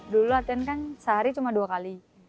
dulu latihan kan sehari cuma dua kali